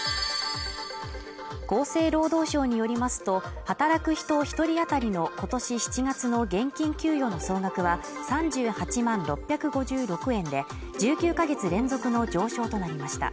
厚生労働省によりますと働く人一人あたりの今年７月の現金給与の総額は３８万６５６円で１９か月連続の上昇となりました